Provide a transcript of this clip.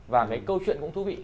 và cái câu chuyện cũng thú vị